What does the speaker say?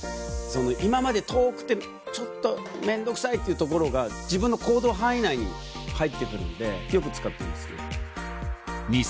今まで遠くてちょっと面倒くさいっていう所が自分の行動範囲内に入って来るんでよく使ってます。